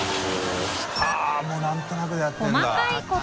もう何となくでやってるんだ。